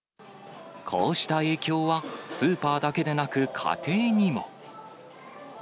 こうした影響はスーパーだけでなく、家庭にも。